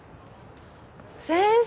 先生！